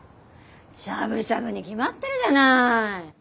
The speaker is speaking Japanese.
しゃぶしゃぶに決まってるじゃない。